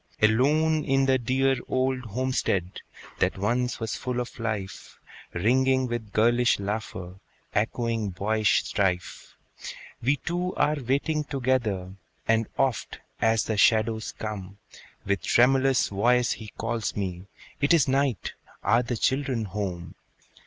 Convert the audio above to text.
Alone in the dear old homestead That once was full of life, Ringing with girlish laughter, Echoing boyish strife, We two are waiting together; And oft, as the shadows come, With tremulous voice he calls me, "It is night! are the children home?"